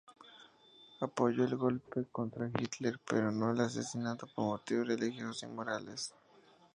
Apoyó el golpe contra Hitler; pero no el asesinato por motivos religiosos y morales.